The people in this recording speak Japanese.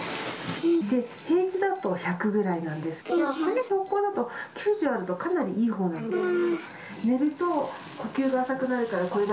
平地だと１００ぐらいなんですけど、この標高だと、９０あるとかなりいいほうなんで。